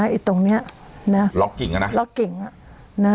ไอ้ตรงนี้ล็อกกิ่งนะ